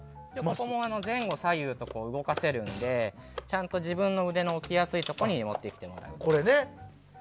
ここも前後左右と動かせるので自分の腕の置きやすいところに持ってきてもらえると。